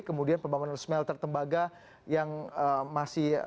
kemudian pembangunan resmel tertembaga yang masih